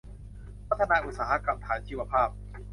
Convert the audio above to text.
พัฒนาอุตสาหกรรมฐานชีวภาพ